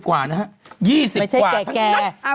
๒๐กว่าเงิน